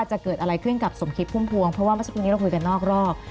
จะเกิดอะไรขึ้นกับสมคิตพุ่มพวงเพราะว่าเมื่อสักครู่นี้เราคุยกันนอกรอบ